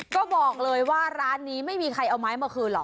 ก็บอกเลยว่าร้านนี้ไม่มีใครเอาไม้มาคืนหรอก